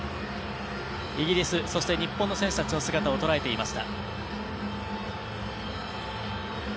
イギリス、そして日本の選手たちの姿をとらえていました。